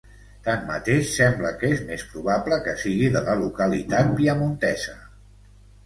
Tanmateix, sembla que és més probable que sigui de la localitat piamontesa.